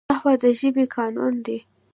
نحوه د ژبي قانون دئ.